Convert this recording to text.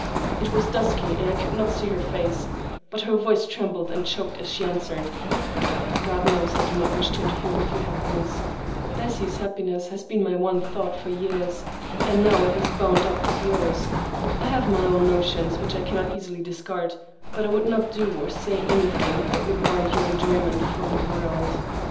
It was dusky and I could not see her face, but her voice trembled and choked as she answered,— "God knows I do not wish to interfere with your happiness. Bessie's happiness has been my one thought for years, and now it is bound up with yours. I have my own notions, which I cannot easily discard, but I would not do or say anything that would mar your enjoyment for the world.